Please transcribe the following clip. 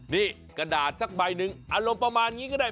นี่กระดาษสักใบหนึ่งอารมณ์ประมาณนี้ก็ได้